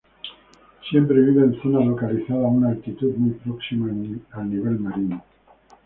Siempre vive en zonas localizadas a una altitud muy próxima al nivel marino.